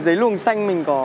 giấy luồng xanh mình có